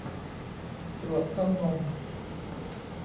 ตรวจเต้านม